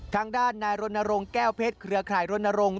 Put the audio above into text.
ทางด้านนายรณรงค์แก้วเพชรเครือข่ายรณรงค์